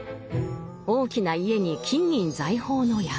大きな家に金銀財宝の山。